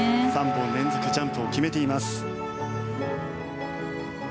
３本連続ジャンプを決めています。